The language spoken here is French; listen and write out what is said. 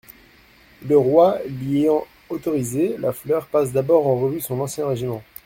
Le roi l'y ayant autorisé, La Fleur passe d'abord en revue son ancien régiment.